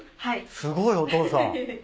すごいお父さん。